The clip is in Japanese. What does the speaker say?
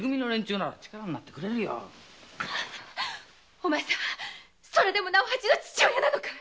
お前さんはそれでも直八の父親なのかい！